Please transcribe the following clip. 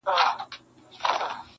پېښه ټول کلي لړزوي ډېر,